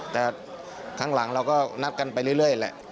แต่ครั้งหลังเราก็นัดกันไปเรื่อยแหละ